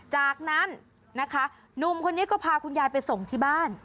จากนั้นนะคะหนุ่มคนนี้ก็พาคุณยายไปส่งที่บ้าน